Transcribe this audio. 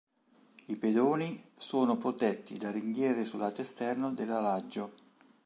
I pedoni sono protetti da ringhiere sul lato esterno dell'alaggio.